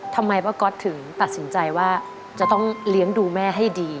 ทำไมป้าก๊อตถึงตัดสินใจว่าจะต้องเลี้ยงดูแม่ให้ดี